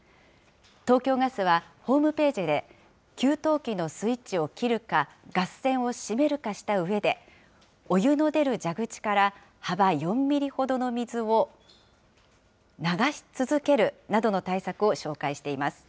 東京ガスは、ホームページで給湯器のスイッチを切るかガス栓を閉めるかしたうえで、お湯の出る蛇口から幅４ミリほどの水を流し続けるなどの対策を紹介しています。